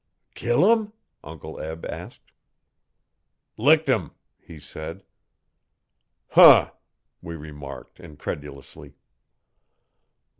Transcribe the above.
'Kill 'im?' Uncle Eb asked. 'Licked him,' he said. 'Huh!' we remarked incredulously.